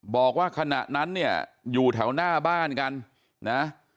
บอกว่าขณะนั้นเนี่ยอยู่แถวหน้าบ้านกันนะ